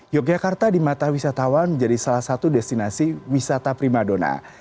yogyakarta di mata wisatawan menjadi salah satu destinasi wisata primadona